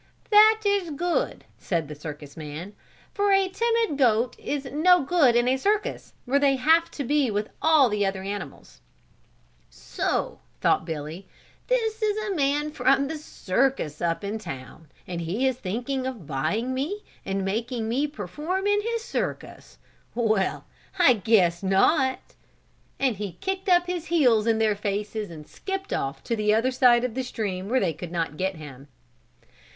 "That is good," said the circus man, "for a timid goat is no good in a circus where they have to be with all the other animals." "So," thought Billy, "this is a man from the circus up in town and he is thinking of buying me and making me perform in his circus. Well, I guess not," and he kicked up his heels in their faces and skipped off to the other side of the stream where they could not get him.